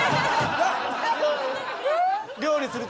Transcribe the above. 料理する。